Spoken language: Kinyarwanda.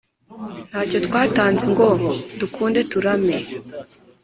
ntacyo twatanze ngo dukunde turame